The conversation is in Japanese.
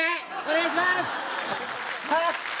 お願いします